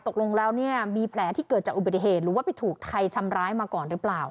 ตกลงแล้วเนี่ยมีแผลที่เกิดจากอุบัติเหตุหรือว่าไปถูกใครทำร้ายมาก่อนหรือเปล่า